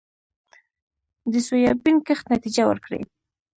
د سویابین کښت نتیجه ورکړې